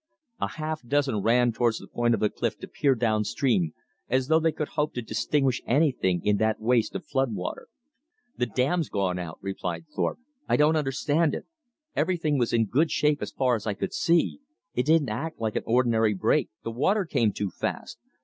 A half dozen ran towards the point of the cliff to peer down stream, as though they could hope to distinguish anything in that waste of flood water. "The dam's gone out," replied Thorpe. "I don't understand it. Everything was in good shape, as far as I could see. It didn't act like an ordinary break. The water came too fast.